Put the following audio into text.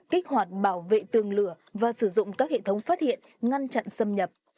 kích hoạt bảo vệ tường lửa và sử dụng các hệ thống phát hiện ngăn chặn xâm nhập